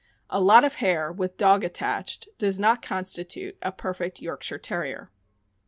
A lot of hair with dog attached does not constitute a perfect Yorkshire Terrier.